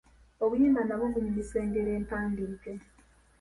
Obuyimba nabwo bunyumisa engero empandiike.